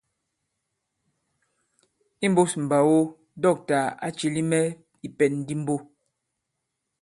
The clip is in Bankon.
Imbūs mbàgo dɔ̂ktà à cilī mɛ̀ ìpɛ̀n di mbo.